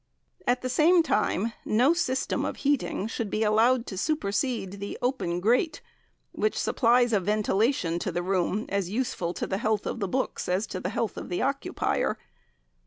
At the same time no system of heating should be allowed to supersede the open grate, which supplies a ventilation to the room as useful to the health of the books as to the health of the occupier.